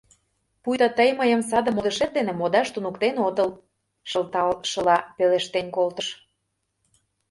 — Пуйто тый мыйым саде модышет дене модаш туныктен отыл, — шылталышыла пелештен колтыш.